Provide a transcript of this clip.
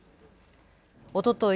おととい